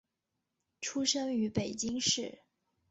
出生于北京市。